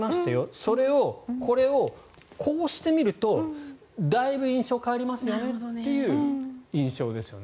それを、これをこうしてみるとだいぶ印象変わりますよねっていう印象ですよね。